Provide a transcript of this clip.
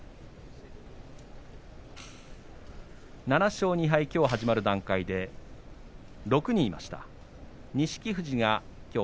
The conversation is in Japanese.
７勝２敗、きょう始まる段階で６人いました。